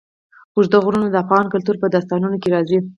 اوږده غرونه د افغان کلتور په داستانونو کې راځي.